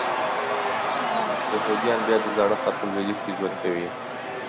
یهودیان بیا د زاړه ښار په لویدیځ کې ژوند کوي.